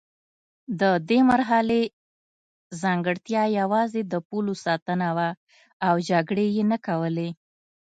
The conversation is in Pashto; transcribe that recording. د دې مرحلې ځانګړتیا یوازې د پولو ساتنه وه او جګړې یې نه کولې.